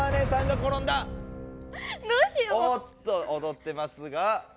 おっとおどってますが。